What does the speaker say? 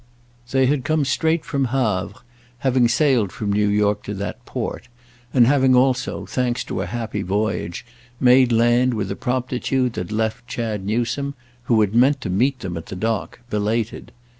They had come straight from Havre, having sailed from New York to that port, and having also, thanks to a happy voyage, made land with a promptitude that left Chad Newsome, who had meant to meet them at the dock, belated.